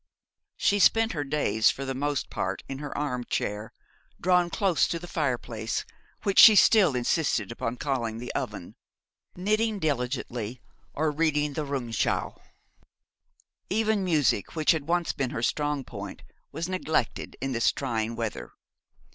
She spent her days for the most part in her arm chair, drawn close to the fireplace, which she still insisted upon calling the oven, knitting diligently, or reading the Rundschau. Even music, which had once been her strong point, was neglected in this trying weather.